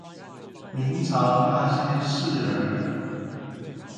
明朝那些事兒